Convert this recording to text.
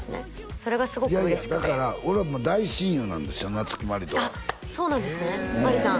それがすごく嬉しくてだから俺は大親友なんですよ夏木マリとはそうなんですねマリさん